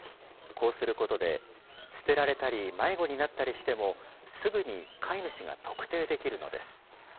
こうすることで、捨てられたり迷子になったりしても、すぐに飼い主が特定できるのです。